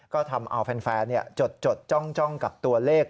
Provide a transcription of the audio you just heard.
ก็ทำเอาแฟนจดจ้องกับตัวเลข